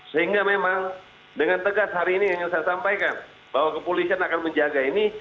sehingga memang dengan tegas hari ini yang ingin saya sampaikan bahwa kepolisian akan menjaga ini